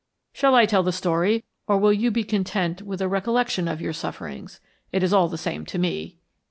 Shall I tell the story, or will you be content with a recollection of your sufferings? It is all the same to me."